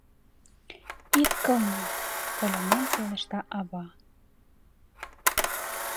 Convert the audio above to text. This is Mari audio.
Ит кылме, — колянен пелешта ава.